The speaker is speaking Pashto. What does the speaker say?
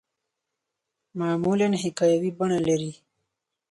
معمولاً حکایوي بڼه لري.